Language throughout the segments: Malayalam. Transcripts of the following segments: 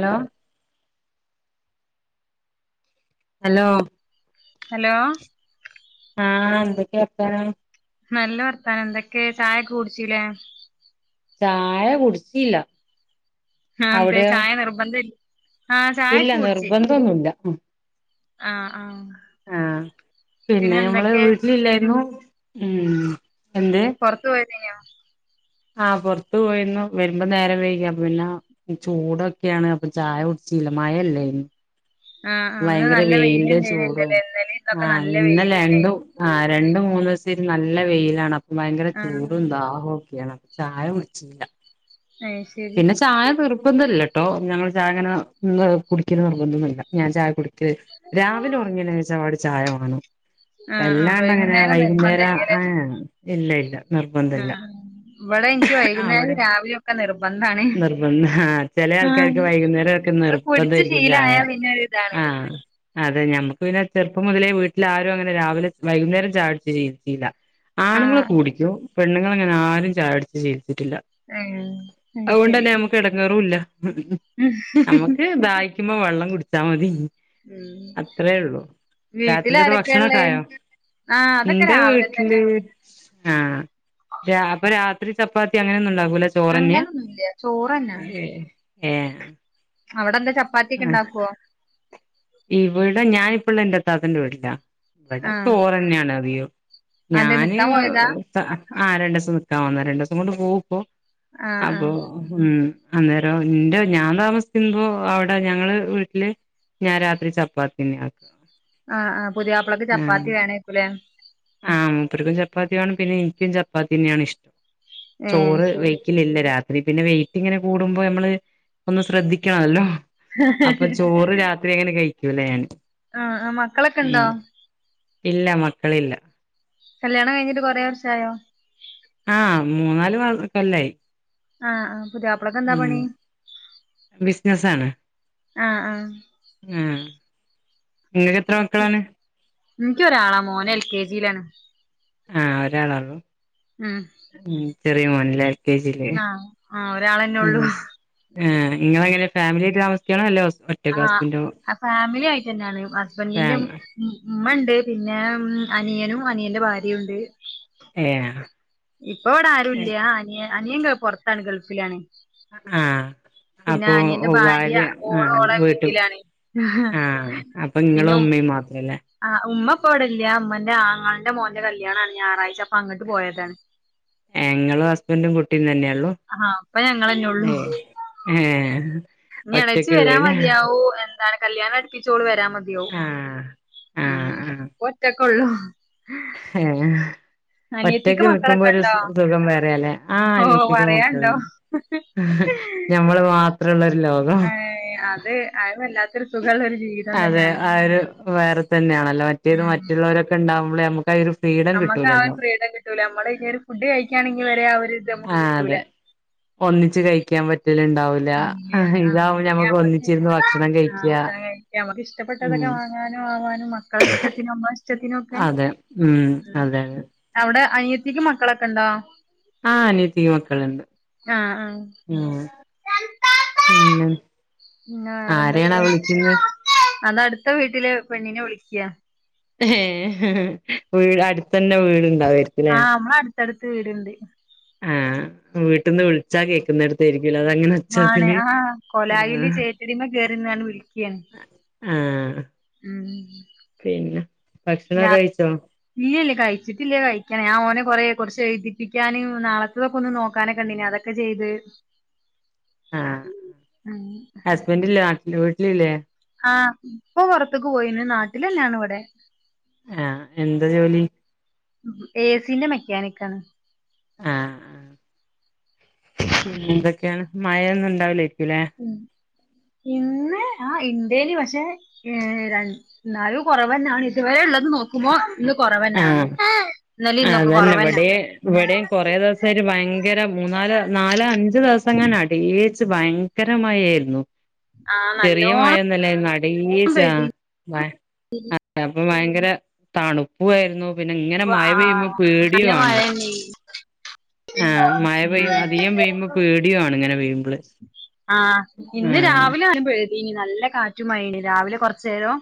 ലോ അലോ ഹലോ ആഹ് എന്തെക്കെ വർത്താനം? നല്ല വർത്താനം എന്തെക്കെ ചായൊക്കെ കുട്ച്ചീലേ? ചായ കുട്ച്ചീല്ല. ആഹ് എന്തെ ചായ നിർബന്ധല്ല് ആഹ് ചായൊക്കെ കുടിച്ച്. പ്പൊന്നൂല്ല ഉം. ആഹ് ആഹ്. ആഹ് പിന്നെ ഞമ്മള് വീട്ടിലില്ലായിരുന്നു ഉം എന്ത്? പൊറത്ത് പോയേതെയിന്നോ? ആഹ് പൊറത്ത് പോയിരുന്നു വരുമ്പൊ നേരം വെയ്കി അപ്പം പിന്നെ ഇ ചൂടൊക്കെയാണ് അപ്പൊ ചായ കുടിച്ചീല്ല മഴല്ലേന്ന്. ആ ആ ഇന്ന് ഭയങ്കര നല്ല വെയിലിന്റെ ചൂടും വെയിലുണ്ടായിരുന്നില്ലല്ലേ ഇന്നലേം ഇന്നൊക്കെ ആഹ് നല്ല വെയിലുണ്ടായിന് ഇന്നലെണ്ടും ആഹ് രണ്ടു മൂന്നീസതീന് നല്ല വെയിലാണ് അപ്പം ഭയങ്കര ആ ചൂടും ദാഹൊക്കെയാണ്. ചായ കുട്ച്ചീല്ല. നൈസ് പിന്നെ ചായ നിർബന്ധല്ല ട്ടോ ഞങ്ങള് ചായ അങ്ങനെ കുടിക്കല് നിർബന്ധൊന്നുല്ല ഞാൻ ചായ കുടി ക്ക് രാവിലെ ഒറങ്ങിയന് ശേഷം അവടെ ചായ വെണം. ആ ആ വല്ലാണ്ടെങ്ങനെ വൈകുന്നേരം നിർബന്ധം വൈകുന്നേരം ആഹ് ഇല്ല ഇല്ല. നിർബന്ധല്ല ആഹ് ഇവടെ എൻക്ക് വൈകുന്നേരും അവിടെ രാവിലൊം ക്കെ നിർബന്ധാണ് നിർബന്ധ ആ ചില ആഹ് ആൾക്കാർക്ക് വൈകുന്നേരം ഒക്കെ അത് കുടിച്ച് നിർബന്ധമായിരിക്കും ചായ ശീലായാപിന്നൊരു താണ് ആഹ് അതെ ഞമ്മക്ക് പിന്നെ ചെറുപ്പം മുതലേ വീട്ടിൽ ആരും അങ്ങനെ രാവിലെ വൈകുന്നേരം ചായ കുട്ച്ച് ശീലിച്ചീല്ല ആ ആണുങ്ങളൊക്കെ കുടിക്കും പെണ്ണുങ്ങൾ അങ്ങനെ ആരും ചായ കുടിച്ച് ശീലിച്ചിട്ടില്ല ഏഹ് അഓണ്ടന്നെ നമ്മക്ക് എടങ്ങേറുംല്ല നമ്മുക്ക് ദാഹിക്കുമ്പോ വെള്ളം കുടിച്ചാമതി ഉം അത്രേ ഒള്ളു രാത്രിക്കത്തെ വീട്ടിലാരൊക്കെയാ ഉള്ളെ ഭക്ഷണൊക്കായോ ആഹ് അതൊക്കെ ഇൻ്റെ രാവിലെ വീട്ടില് തന്നെ ആഹ് രാ അപ്പം രാത്രി ചപ്പാത്തി അങ്ങനൊന്നും ഉണ്ടാകൂലെ അങ്ങനൊന്നുല്ല ചോറന്നെ ഏഹ് അവിടെന്താ ചപ് അഹ് ഇവടെ ഞാനിപ്പള്ളെ ഇന്റെ ഇത്താതന്റെ വീട്ടിലാ ഇബടെ ആഹ് ചോറന്നെണ് അതികേം അന്തേ ഞാന് നിക്കാൻ പോയതാ സഹ ആഹ് രണ്ടേസം നിക്കാൻ വന്നാ രണ്ടോസം കൊണ്ട് പോകുപ്പം ആഹ് അപ്പോ ആഹ് ഉം അന്നേരൊ ഇന്റെ ഞാൻ താമസിക്കുമ്പോ അവിട ടെ ഞങ്ങളെ വീട്ടില് ഞാൻ രാത്രി ചപ്പാത്തെന്നെ ആക്കാ ആഹ് ആഹ് പുത്യാപ്ലക്ക് ആഹ് ചപ്പാത്തി വേണേക്കും ല്ലേ ആഹ് മൂപ്പർക്കും ചപ്പാത്തി വാണം പിന്നെ ഇൻക്കും ചപ്പാത്ത്യന്നെയാണ് ഇഷ്ടം ഏഹ് ചോറ് ശരി വെയ്ക്കലില്ല രാത് ത്രി പിന്നെ വെയിറ്റിങ്ങനെ കൂടുമ്പോ നമ്മള് ഒന്ന് ശ്രദ്ധിക്കണല്ലോ അപ്പൊ ചോറ് രാത് ത്രിങ്ങനെ കഴിക്കൂല ഞാന് ആഹ് ആഹ് മക്കളൊക്കെ ഇണ്ടോ ഉം ഇല്ല മക്കളില്ല കല്യാണം കഴിഞ്ഞിട്ട് കൊറേ വർഷായോ ആഹ് മൂന്നാല് മാ കൊല്ലായി ആഹ് ആഹ് പുത്യാപ്ലക്കന്താ പണി ബിസ്നസാണ് ആഹ് ആഹ് ആഹ് ഇങ്ങക്ക് എത്ര മക്കളാണ് ഇൻക്കൊരാളാ മോനെൽ കെ ജിയിലാണ് ആഹ് ഒരാളാള്ളൂ ഉം ഉം ചെറിയമോന്ലേ ആഹ് ആഹ് ഒരാളെന്നെള്ളൂ ഏഹ് ഇങ്ങളെങ്ങനെ ഫാമിലി ആയിട്ട് താമസിക്ക്ണെ അല്ല ഒസ്- ആഹ് അഫാമിലി ആയിട്ടന്നെയാണ് ഹസ്ബന്റിന്റെ- മ് ഫാമ് മ്മണ്ട് പിന്നെ മ് അനിയനും അനിയന്റെ ഭാര്യയുണ്ട് ഏഹ് ഇപ്പ ഇവിടെ ആരും ഇല്ല അനിയ അനിയൻ പൊറത്താണ് ഗൾഫിലാണ് അഹ്ആഹ് പിന്നെ അപ്പോ അനിയന്റെ ഭാര്യ ഓള് ആഹ് ഓളെ വീട്ട് വീട്ടിലാണ് ആഹ് ഹ പ്പങ്ങളും മ്മിം മാത്രല്ലേ ആഹ് ഉമ്മപ്പവ്ടല്ല മ്മാന്റെ ആങ്ങളന്റെ മോന്റെ കല്യാണാണ് ഞായറാഴ്ച അപ്പ അങ്ങട്ട് പോയതാണ് ഞങ്ങളും ഹസ്ബൻറും കുട്ടിയും തന്നെയള്ളു ആഹ് പ്പ ഞങ്ങളന്നെള്ളൂ ഏഹ് ഏ ഞ്ഞ് എളച്ചി വരാൻ ഒറ്റക്കുള്ളല്ലേ മതിയാവൂ എൻ- ന്താണ് കല്യാണം അടിപ്പിച്ചോള് വരാൻ മതിയാവു ആഹ് ഉം ആഹ് ആഹ് ഇപ്പൊറ്റക്കൊള്ളൂ ഏഹ് ഒറ്റക്ക് നിക്കുമ്പോ മക്കളൊക്കെ ഒരു ഉണ്ടോ സ് സുഖം വേറെ ല്ലേ ആഹ് ഓ അനിയത്തിക്ക് നോക്ക്ണ് പറയാണ്ടോ ഞമ്മള് മാത്രള്ളൊരു ലോകം ത് അഅ് വല്ലാത്തൊരു സുഖള്ളാരു ജീവി അതെ ആ ഒരു വേറെ തന്നെയാണല്ലോ മറ്റേത് ഉം മറ്റുള്ളവരൊക്കെ ഉണ്ടാവകുമ്പളേ നമുക്ക് ഒരു ഫ്രീഡം നമ്മക്ക് ആ ഒരു കിട്ടൂലല്ലോ ഫ്രീഡം കിട്ടൂല നമ്മള് ഇഞ്ഞ് ഒരു ഫുഡ് കഴിക്കാണെങ്കിൽ വരെ ആ ഒരു ഇത് നമ്മക്ക് ആഹ് കിട്ടൂല അതെ ഒന്നിച്ച് കഴിക്കാൻ പറ്റല്ണ്ടാവു ഉ പിന്നെക്ക ഭക്ഷണം കഴിക്ക അമ്മക്ക് ഇഷ്ടപ്പെട്ട ഉം ഇതൊക്കെ വാങ്ങാനും ആവാനും മക്കളഷ്ടത്തിനും അമ്മളെഷ്ടത്തിനും ഒക്കെ അതെ ഉം അതെ അതെ അവിടെ അനിയത്തിക്ക് മക്കളൊക്കെണ്ടോ ആ അനിയത്തിക്ക് മക്കള്ണ്ട് ആഹ് ആഹ് പിന്നെ ആരെയാണാ വിളിക്ക്ന്ന് അതട്ത്ത വീട്ടിലെ പെണ്ണിനെ വിളിക്ക ഏഹ് വീട് അടുത്തെന്നെ വീട് ഇണ്ടാവേര്ക്കും ആ അമ്മള് അടുത്തടുത്ത് വീടുണ്ട് ആഹ് വീട്ടിൽന്ന് വിളിച്ചാൽ കേക്കുന്നിടുത്തായിരിക്കലോ അതങ്ങനെ ആണ് ഒച്ചത്തില് ആ കൊലായില് ആഹ് ചേറ്റടിമ്മെ കേറിന്നാണ്ട് വിളിക്കാണ് ആഹ് ഉം പിന്നെ ഭക്ഷണൊക്കെ കഴിച്ചോ ഇല്ലല്ല കഴിച്ചിട്ടില്ല കഴിക്കണം ഞാൻ ഓനെ കൊറെേ കുറച്ച് എഴുതിപ്പിക്കാന് നാളത്തൊക്കെ ഒന്ന് നോക്കാനൊക്കെണ്ടേന്നി അതൊക്കെ ഒക്കെ ചെയ്ത് ബന്റ്ല്ലേ നാട്ട് വീട്ടിലില്ലേ ആ ഇപ്പൊ പുറത്തക്ക് പോയിന് നാട്ടിലന്നെയാണ് ഇവിടെ ആഹ് എന്താ ജോലി ഏസിന്റെ മെക്കാനിക്കാണ് ആ ആ പിന്നെന്തൊക്കെയാണ് മഴൊന്നും ഉണ്ടാവുലേയ്ക്കുലെ ഇന്ന് ആ ഇണ്ടെനി പക്ഷെ ഏ ര എന്നാലും കുറവന്നാണ് ഇതുവരെ ഇള്ളത് നോക്കുമ്പോ ഇന്ന് കൊറവന്നാണ് ആഹ് ഇന്നെലിം ഇന്നൊക്കെ കൊറവെന്നാണ് ഇവിടേം കുറേ ദിവസായിറ്റ് ഭയങ്കര മൂന്നാല് നാല് അഞ്ച് ദിവസംങ്ങനെ അടേച്ച് ഭയ ങ്കര മഴയായിരുന്നു ആഹ് ചെറിയ നല്ലോണം മഴയോന്നുംല്ലേർന്നു അടീച്ച ആ പെയ്തി മ [inaudible] അപ്പൊ ഭയങ്കര തണുപ്പും ആയിരുന്നു പിന്നെ ഇങ്ങനെ മഴ പെയ്യുമ്പോ ആഹ് പേടിയും നല്ല ആണ് മഴന്നേനി ആ മഴ പെയ്യ അധികം പെയ്യുമ്പോ പേടിയാണ് ഇങ്ങനെ പെയ്യുമ്പള് ആ ആ ഇന്ന് രാവിലെ നല്ലം പെയ്തീനി നല്ല കാറ്റുമാഴേന്ന് രാവിലെ കൊറചേരം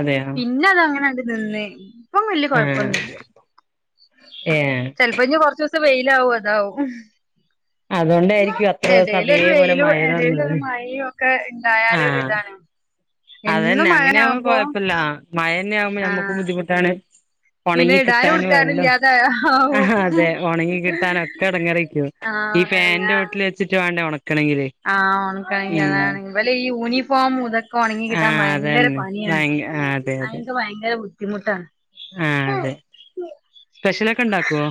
അതെയോ പിന്നെ അതങ്ങനണ്ട് നിന്ന് ഇപ്പം വല്യ ആ കൊഴപ്പൊന്നുല്ല ഏ ചെലപ്പനി കൊറച്ച്ച്സം വെയിലാവും അതാവും അതുകൊണ്ടായിരിക്കും അത്ര ദിവസം എടേലൊരു അതേപോലെ വെയിലും മഴ തന്നത് എടേലൊരു മഴയും ഒക്കെ ഇണ്ടായാലൊരിതാണ് എന്നും അതെന്നെ അങ്ങനെയാകുമ്പോ മഴനാവുമ്പോ കൊഴപ്പല്ല മഴന്നെ ആവുമ്പോ നമ്മക്കും ആഹ് ബുദ്ധിമുട്ടാണ് പിന്നെ ഒണങ്ങി ഇടാനും കിട്ടാനും ഉടുക്കാനും എല്ലോം ഇല്ലാതെ ആവും അതെ ഒണങ്ങി കിട്ടാനോക്കെ എടങ്ങെറെയിരിക്കും ഈ ആഹ് ഫാനിന്റെ ചോട്ടിൽ വെച്ചിട്ട് വേണ്ടെ ഒണക്കണെങ്കില് ആ ഒണക്കണെങ്കിൽ ഉം അതാണെ ഇവലെ ഈ യൂണിഫോമും ഇതൊ ഒക്കെ ഒണങ്ങി ആ കിട്ടാൻ ഭയങ്കര അതന്നെ പണിയാണ് ഭയങ്ക ആ അതെ അതെ അതെക്ക് ഭയങ്കര ബുദ്ധിമുട്ടാണ് ആ അതെ സ്പെഷ്യലൊക്കെ ഇണ്ടാക്കോ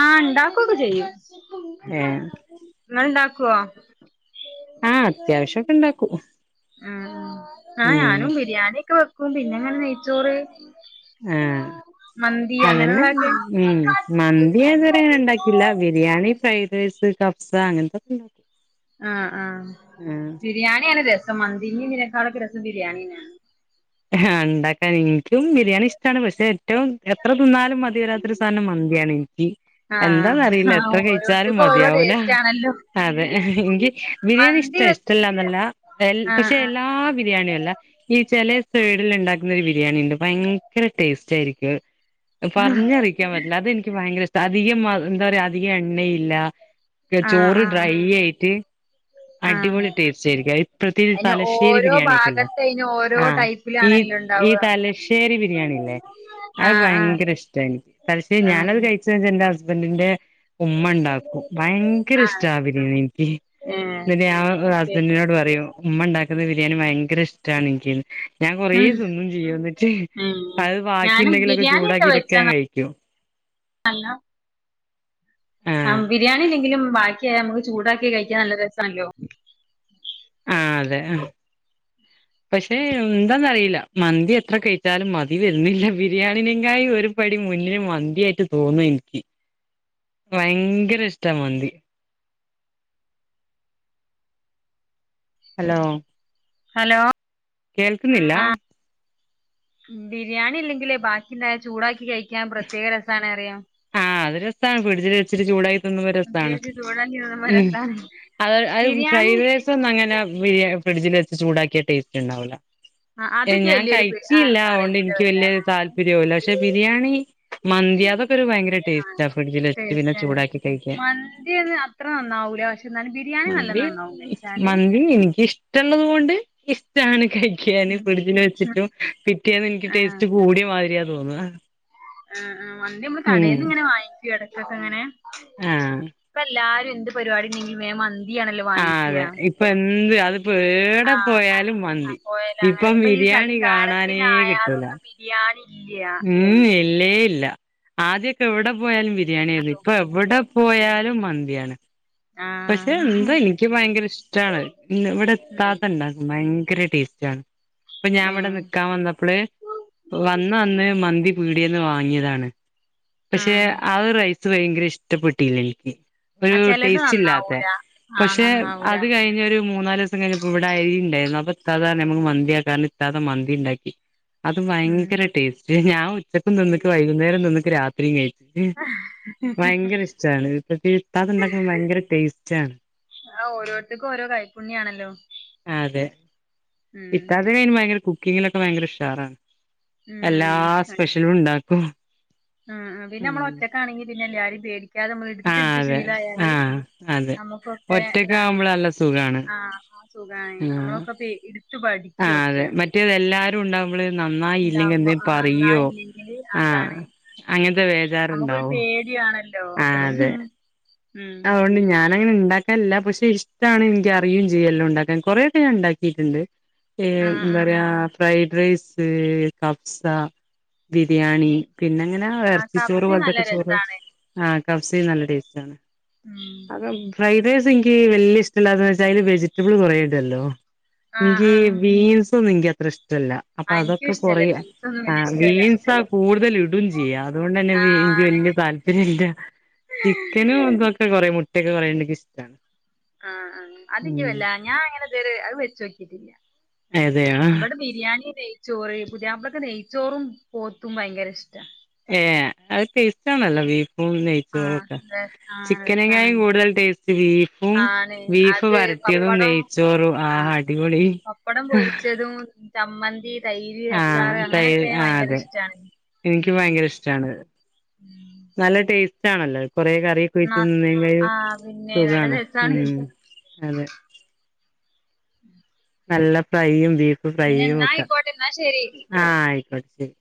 ആ ഇണ്ടാക്കൊക്കെ ചെയ്യും ഏ ഇങ്ങൾ ഇണ്ടാക്കോ ഉം ആ അത്യാവശ്യൊക്കെ ഇണ്ടാക്കും ഉം ആ ഉം ഞാനും ബിരിയാണി ഒക്കെ വെ ക്കും പിന്നെ ഇങ്ങനെ നെയ്ച്ചോറ് ആ മന്തി അതെന്നെ അങ്ങനെയുള്ളൊക്കെ ഉം മന്തി ഞാനിതുവരെ അങ്ങനെ ഇണ്ടാക്കി ഇല്ല ബിരിയാണി ഫ്രൈഡ് റൈസ് കഫ്സ അങ്ങനത്തൊക്കെ ആ ആ ആ ബിരിയാണിയാണ് രസം മന്തിന്റേം ഇതിന്റെക്കാളൊക്കെ രസം ബിരിയാണിന്നെ ആണ് ഹാഹ് ഇണ്ടാക്കാൻ ഇൻക്ക് കഴിയി ബിരിയാണി ഇഷ്ടാണ് പക്ഷെ ഏറ്റവും എത്ര തിന്നാലും മതിവരാത്തൊരു സാധനം മന്തിയാണ് എനിക്ക് ആഹ് എന്താന്നറിയില്ല ആഹ് എത്ര കഴിച്ചാലും ഓരോരുത്തർക്കും ഓരോ മതിയാവൂല ടേസ്റ്റ് ആണല്ലോ അതെ എനിക്ക് ബിരിയാണി ഇഷ്ട മന്തി വെ ഇഷ്ടല്ലാന്നല്ല എൽ ആഹ് പക്ഷെ എല്ലാ ബി ബിരിയാണിയല്ല ഈ ചെലെ സൈഡിൽ ഉണ്ടാക്കുന്ന ഒരു ബിരിയാണിണ്ട് ഭയങ്കര ടേസ്റ്റ് ആയിരിക്കും അത് ആഹ് പറഞ്ഞറിയി യിക്കാൻ പറ്റില്ല അതെനിക്ക് ഭയങ്കര ഇഷ്ട അധികം എന്താ പറയാ അധികം എണ്ണയില്ല ക്കെ ആഹ് ചോറ് ആഹ് ഡ്രൈ ആയിട്ട് ആഹ് അടിപൊളി ടേസ്റ്റ് ആയിരിക്കും അതിപ്പൾത്തെ ഈ അതിന് തലശ്ശേരി ഓരോ ബിരിയാണിയൊക്കെല്ലെ ഭാഗത്ത് അതിന് ഓരോ ആഹ് ഈ ടൈപ്പിലാണല്ലോ ഈ ഉണ്ടാവുക തലശ്ശേരി ബിരിയാണില്ലേ അത് ആഹ് ആഹ് ഭയങ്കര ഇഷ്ട എനിക്ക് പക്ഷെ ഞാനത് ആഹ് കഴി എന്റെ ഹസ്ബന്റിന്റെ ഉമ്മ ണ്ടാക്കും ഭയങ്കര ഇഷ്ടാ ബിരിയാണി എനിക്ക് ഏഹ് ഇന്ന്ട്ട് ഞാൻ ഓക്കെ ഹുസ്ബന്റ്നോട് പറയും ഉമ്മണ്ടാക്കുന്ന ബിരിയാണി ഭയങ്കര ഇഷ് ട്ടാണ് ഇനിക്കീന്ന് ഞാൻ കൊറേ ഉം തിന്നും ചെയ്യുംന്നിട്ട് ഉം അത് ബാക്കി ഞാനും ഉണ്ടെങ്കിലൊക്കെ ബിരിയാണിയൊക്കെ ചൂടാക്കിറ്റൊക്കെ ഞാൻ കഴിക്കും ഹല്ലോ ആഹ് ബിരിയാണി അല്ലെങ്കിലും ബാക്കിയായ നമ്മക്ക് ചൂടാക്കി കഴിക്കാൻ നല്ല രസാണല്ലോ ആഹ് അതെ ആ പക്ഷെ എന്താന്നറിയില്ല മന്തി എത്ര കഴിച്ചാലും മതി വരുന്നില്ല ബിരിയാണിനെങ്ങായിഒരു പടി മുന്നിൽ മന്തി ആയിട്ട് തോന്നും എനിക്കി വയങ്കര ഇഷ്ട മന്തി ഹലോ. ഹലോ. കേൾക്കുന്നില്ല ബിരിയാണില്ലങ്കിലേ ബാക്കിണ്ടായ ചൂടാക്കി കയിക്കാൻ പ്രത്യേക രസാണറിയാ. ആഹ് അത് രസാ ഫ്രഡ്ജിൽ വെച്ചിട്ട് ചൂടായിതിന്നുമ്പോ രസാണ്. പ്രത്യേകിച്ച് ചൂടാക്കി തിന്നുമ്പോ മ് രസാണ് അത് അത് ബിരിയാണി ഫ്രൈഡ്രൈ. സൊന്നും അങ്ങനെബിരി ഫ്രഡ്ജിൽ വെച്ച് ചൂടാക്ക്യാ ടേസ്റ്റ് ഉണ്ടാവൂല്ല. ആഹ് അതൊക്കെ ഞാൻ വല്യൊരു പി ആ, കയിച്ചില്യ അതൊണ്ട് അറിയൂല എനിക്ക് വല്യ വല്ലാതെ താല്പര്യൂല്ല പക്ഷെ ബിരിയാണി. മന്തി അതൊക്കൊരു ഭയങ്കര ആഹ് ടേസ്റ്റാ ഫ്രഡജിൽവെച്ച് പിന്നെ ടേസ്റ്റാണ് ചൂടാക്കി കയിക്കാൻ മന്തിയൊന്നും അത്ര നന്നാവൂല പക്ഷെ എന്നാലും ബിരിയാണി നല്ല മന്തി നന്നാവും വെച്ചാല് മന്തി എനിക്കിഷ്ടള്ളത്കൊണ്ട് ഇക്ക്‌ ഇഷ്ടാണ് കഴിക്കാന് ഉം ഫ്രഡ്ജിൽ വെച്ചിട്ടും പിറ്റ്യേന്ന് എനിക്ക് ആഹ് ടേസ്റ്റ് കൂടിയമാതിരിയാ തോന്ന. ആഹ് ആഹ് മന്തി നമ്മള് കടേന്ന്ങ്ങനെ. ടക്കൊക്കെങ്ങനെ ആഹ് ഇപ്പല്ലാരും എന്ത് പരിപാടിണ്ടെങ്കിലും വേം മ ആഹ് അതെ ഇപ്പൊ എന്ത് അതിപ്പോ ഏടെ ആഹ് പോയാലും മന്തി പോയല അങ്ങനെ ഇപ്പം ഇപ്പൊ ബിരിയാണി കാണാനേ കിട്ടൂല. ബിരിയാണില്യാ മ് ഇല്ലേ ഇല്ല ആദ്യൊക്കെ എവിടെ പോയാലും ബിരിയാണ്യേനു ഇപ്പൊ എവടെ പോയാലും മന്ത്യാണ്. പഷേ ആഹ് എന്തോ ഇനിക്ക് ഭയങ്കര ഇഷ്ടാണത് ഇവിടെ ഉം ഇത്താത്തണ്ടാക്കും ഭയങ്കര ടേസ്റ്റാണ്. ഇപ്പൊ ഞാൻ ഇവിടെ ഏഹ് നിക്കാൻ വന്നപ്പള് വന്നന്ന് മന്തി പീട്യേന്ന് വാങ്ങിയതാണ് പക്ഷെ ആഹ് ആ റയ് സ് ഭയങ്കര ഇഷ്ടപ്പെട്ടീല്ല എനിക്ക്. ആ ചെലത് നന്ന് ലാത്തെ പക്ഷേ അത് കയിഞ്ഞൊരു മൂന്നാലൂസം കയിഞ്ഞപ്പോ ഇവിടെ അരിണ്ടായിരുന്നു അപ്പൊ ഇത്താത്തറിഞ് അമക്ക് മന്തിയാക്കാന്ന് ഇത്താത്ത മന്തിണ്ടാക്കി. അത് ഉം ഭയങ്കര ടേസ്റ്റ് ഞാൻ ഉച്ചക്കും തിന്ന്ക്ക് ഉം വൈകുന്നേരം തിന്ന്ക്ക് രാത്രീം കയ് ഭയങ്കര ഇഷ്ടാണ് ഇപ്പക്ക് ഇത്താത്തണ്ടാക്കുമ്പൊ ഭയങ്കര ടെസ്റ്റാ ആഹ് ഓരോരുത്തർക്കും ഓരോ കൈപ്പുണ്യാണല്ലോ ആതെ. ഉം ഇത്താത്തയ്ക്ക് അയ്ന് ഭയങ്കര കുക്കിങ്ങിലൊക്കെ ഭയങ്കര ഉഷാറാ. എല്ലാ ഉം സ്പെഷ്യലും ഉണ്ടാക്കും ഉമ് ആണെങ്കിൽ പിന്നെല്യേ ആരേം പേടിക്കാതെ അമ്മൾ എടുത്ത്ടുത്ത് അതെ ആ ശീലായാല് അതെ നമ്മുക്കൊക്കെ ഒറ്റക്ക് ഇതാണ്. ആവുമ്പള് നല്ല സുഖാണ്. ആഹ് സുഖാണ് ആ അമ്മളൊക്കെ [unintelligible] ആഹ് അതെ മറ്റേതെല്ലാരും ഉണ്ടാവമ്പള് നന്നായില്ലെങ്കിൽ ഉണ്ടാവുമ്പോ എന്തേലും ആ പറയോ നന്നായില്ലെങ്കില് ആഹ് അതാണ് അങ്ങനത്തെ വേചാർണ്ടാവു. ത്യാണല്ലോ മ്മ്ഹ്. അതൊണ്ട് ഞാനങ്ങനെ ഇണ്ടാ ക്കല്ല പക്ഷെ ഇഷ്ടാണ് എനിക്കറിയും ചെയ്യും എലൊണ്ടാക്കാൻ കൊറെയൊക്കെ ഞാൻ ഇണ്ടാക്കിട്ടിണ്ട്. ഏഹ് ആഹ് ആഹ് എന്താറിയാ. ഫ്രൈഡ് റൈസ്, കപ്സ, ബിരിയാണി. പിന്നെങ്ങനെ ആ എറച്ചി ചോറ് കപ്സയും പോലത്തൊ നല്ല ക്കെ ചോറ് രസാണ് ആഹ് കഫ്സ നല്ല ടേസ്റ്റാണ്. അത് ഫ്രൈഡ്റൈസിക്കി വല്യ ഇഷ്ടല്ലാത്തെ വെച്ചാ അതില് വെജിറ്റബിൾ കൊറേടല്ലോ. ആഹ് ന്ക്കി ആഹ് ബീൻസൊന്നും ഇക്കി അത്ര ഇഷ്ടല്ല അപ്പൊ ആ ആ, എനിക്കും അതൊക്കെ കൊറെ. ഇഷ്ടല്ല ബീഫൊന്നും വല്യ ആഹ് ഇഷ്ടല്ല ബീൻസാ കൂടുതൽ ഇടും ചെയ്യാ അതൊണ്ടന്നെ എനിക്ക് ആണ് വല്യ താല്പര്യല്ല. ചിക്കനും ഇതൊക്കെ കൊറെ മുട്ടയൊക്കെ കൊറെണ്ടങ്കി ഇഷ്ടാ ആഹ് ആഹ് അതിക്കി വല്ല ഞാൻ അങ്ങനെ ഇതെരെ അത് വെച്ചോക്കീട്ടില്യാ. അതെയോ ബടെ ബിരിയാണി നെയ് ചോറ് പുതിയാപ്പളക്ക് നെയ്ച്ചോറും പോത്തും ഭയങ്കര ഇഷ്ട. ഏഹ് അഹ് ട്ടെഷ്ടാണല്ലോ ബീഫും നെ [unintelligible] ആഹ് ചിക്കനകാൾ രസാണ് കൂടുതൽ ടേസ്റ്റ് ബീഫും ആണ് ബീഫ് അത് വരട്ടിയതും പപ്പടം നെയ് ചോറു ആഹ് അടിപൊളി. പപ്പടം പൊരിച്ചതും ചമ്മന്തി തൈര് ആഹ് അച്ചാറ് തൈര് അങ്ങനെയൊക്കെ ആഹ് ഭയങ്കര അതെ ഇഷ്ടാണ് എനിക്ക് ഉമ് ഭയങ്കര ഇഷ്ടാണത് നല്ല ടേസ്റ്റ് ആണല്ലോ കൊറേ കറിയക്കെ ന്ന ഒഴച്ച് തിന്നുമ്പോ ഒരു ആഹ് പിന്നെ നല്ല സുഖമാണ് രസാണ് ഉമ് അതെ. നല്ല ഫ്രൈയും ബീഫ് ന്ന ഫ്രൈയും ന്നാ ഒക്കെ ആയിക്കോട്ടെ ന്നാ ശരി ആഹ് ആയിക്കോട്ടെ ശരി.